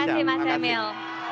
terima kasih mas emil